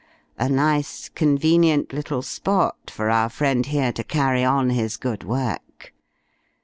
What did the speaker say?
A nice convenient little spot for our friend here to carry on his good work.